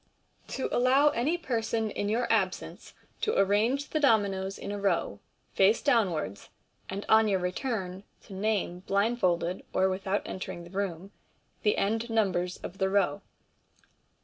to allow amy person in your absence to arrange thb Dominoes in a Row, face downwards, and on your return to name blindfold, or without entering the Room, the end numbers of the Row.